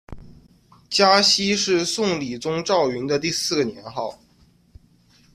嘉熙是宋理宗赵昀的第四个年号。